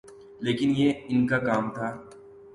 لیکن یہ ان کا کام تھا۔